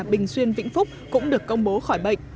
bình xuyên vĩnh phúc cũng được công bố khỏi bệnh